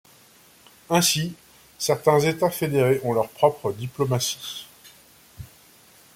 Ainsi, certains États fédérés ont leur propre diplomatie.